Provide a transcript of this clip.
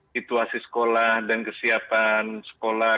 situasi sekolah dan kesiapan sekolah